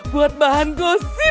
buat bahan gosip